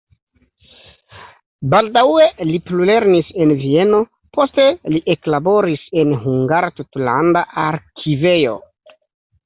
Baldaŭe li plulernis en Vieno, poste li eklaboris en "Hungara Tutlanda Arkivejo".